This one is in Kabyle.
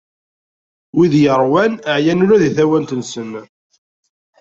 Wid yeṛwan, ɛyan ula deg tawant-nsen.